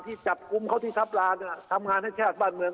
ที่จับกลุ่มเขาที่ทัพลานทำงานให้ชาติบ้านเมือง